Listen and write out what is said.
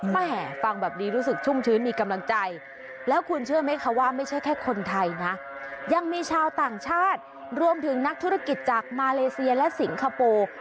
แม่ฟังแบบนี้รู้สึกชุ่มชื้นมีกำลังใจแล้วคุณเชื่อไหมคะว่าไม่ใช่แค่คนไทยนะยังมีชาวต่างชาติรวมถึงนักธุรกิจจากมาเลเซียและสิงคโปร์